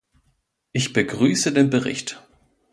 Ich begrüße den Bericht.